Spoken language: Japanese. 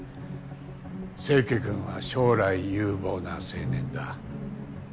清家くんは将来有望な青年だ。